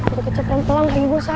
ih keren banget tuh malah